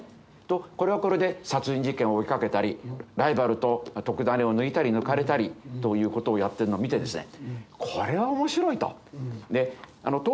これはこれで殺人事件を追いかけたりライバルと特ダネを抜いたり抜かれたりということをやってるのを見てですね